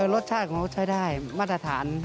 รสชาติของเขาใช้ได้มาตรฐาน